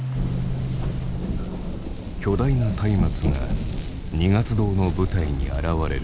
巨大な松明が二月堂の舞台に現れる。